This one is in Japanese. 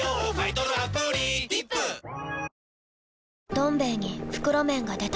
「どん兵衛」に袋麺が出た